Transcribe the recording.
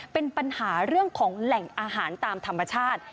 เป็นปัญหาเรื่องของแหล่งอาหารตามธรรมชาติ